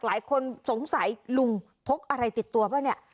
หลายคนสงสัยลุงพกอะไรติดตัวป่ะเนี่ย